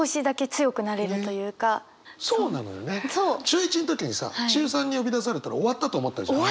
中１の時にさ中３に呼び出されたら終わったと思ったじゃん。